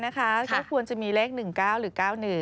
งานราชการก็ควรจะมีเลข๑๙หรือ๙๑